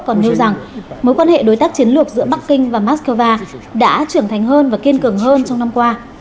còn nêu rằng mối quan hệ đối tác chiến lược giữa bắc kinh và moscow đã trưởng thành hơn và kiên cường hơn trong năm qua